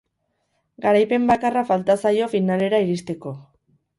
Garaipen bakarra falta zaio finalera iristeko.